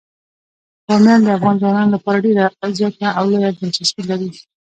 بامیان د افغان ځوانانو لپاره ډیره زیاته او لویه دلچسپي لري.